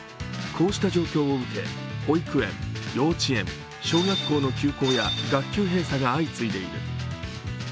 こうした状況を受け、保育園、幼稚園、小学校の学級閉鎖が相次いでいる。